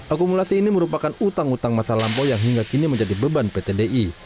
akumulasi ini merupakan utang utang masa lampau yang hingga kini menjadi beban pt di